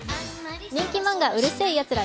人気漫画「うる星やつら」